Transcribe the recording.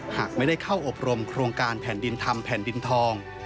หากไม่ได้เข้าอบรมโครงการแผ่นดินทำแผ่นดินทอง